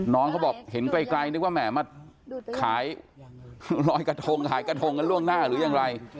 น้องเขาบอกเห็นไกลนึกว่าแหมมาขายลอยกระทงขายกระทงกันล่วงหน้าหรือยังไร